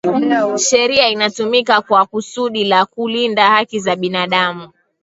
sheria inatumika kwa kusudi la kulinda haki za binadamu